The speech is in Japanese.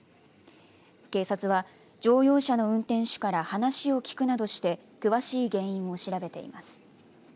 警察は乗用車の運転手から話を聞くなどして詳しい原因を調べています。